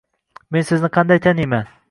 - Men sizni qanday taniyman